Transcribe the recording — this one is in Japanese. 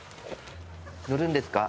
乗るんですか？